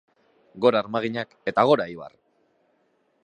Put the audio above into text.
Gora armaginak eta gora Eibar!